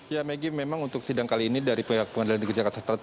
ya megi memang untuk sidang kali ini dari pihak pengadilan negeri jakarta selatan